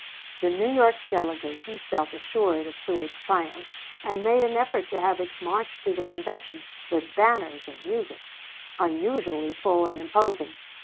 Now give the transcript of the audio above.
The New York delegation felt assured of Seward's triumph, and made an effort to have its march to the convention, with banners and music, unusually full and imposing.